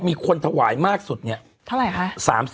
มีคนถวายมากสุดเนี่ยเท่าไหร่คะ